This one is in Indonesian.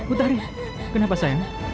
utari kenapa sayang